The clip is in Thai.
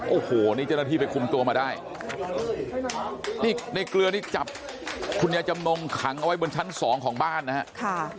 โอ้โหนี่เจ้าหน้าที่ไปคุมตัวมาได้นี่ในเกลือนี่จับคุณยายจำนงขังเอาไว้บนชั้นสองของบ้านนะฮะ